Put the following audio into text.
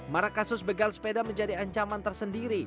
marah kasus begal sepeda menjadi ancaman tersendiri